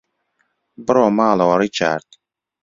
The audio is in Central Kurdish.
بڕۆ ماڵەوە، ڕیچارد.